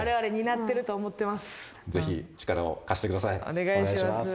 ・お願いします。